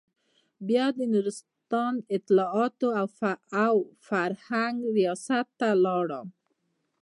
بيا د نورستان اطلاعاتو او فرهنګ رياست ته لاړم.